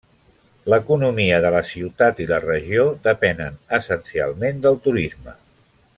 L'economia de la ciutat i la regió depenen essencialment del turisme.